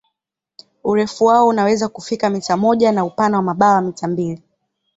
Urefu wao unaweza kufika mita moja na upana wa mabawa mita mbili.